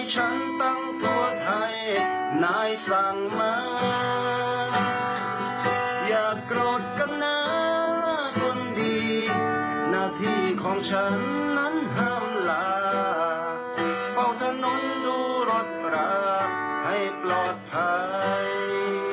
หน้าที่ของฉันนั้นห้ามลาเฝ้าถนนดูรถราให้ปลอดภัย